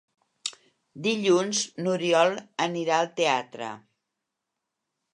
Dilluns n'Oriol anirà al teatre.